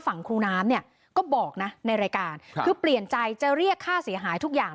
ฝั่งครูน้ำเนี่ยก็บอกนะในรายการคือเปลี่ยนใจจะเรียกค่าเสียหายทุกอย่าง